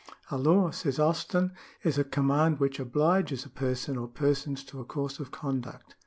" A law," says Austin,^ " is a command which obliges a person or persons to a course of conduct."